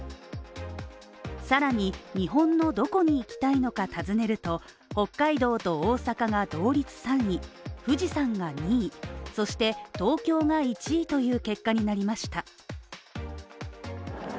さらに、日本のどこに行きたいのか尋ねると、北海道と大阪が同率３位富士山が２位、そして東京が１位という結果になりました。